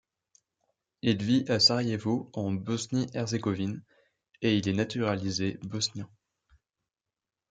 Il vit à Sarajevo, en Bosnie-Herzégovine, et il est naturalisé bosnien.